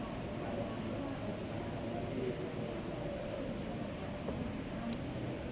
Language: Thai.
สวัสดีครับสวัสดีครับ